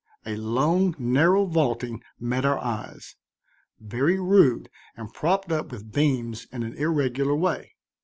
A long, narrow vaulting met our eyes, very rude and propped up with beams in an irregular way.